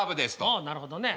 うんなるほどね。